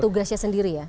tugasnya sendiri ya